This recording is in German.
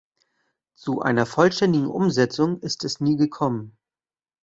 Zu einer vollständigen Umsetzung ist es nie gekommen.